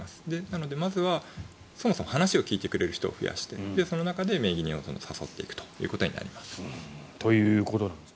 なので、まずはそもそも話を聞いてくれる人を増やしてその中で名義人を誘っていくということになります。ということです。